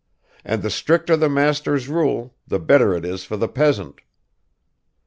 And the stricter the master's rule, the better it is for the peasant."